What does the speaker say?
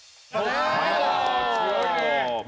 強いね。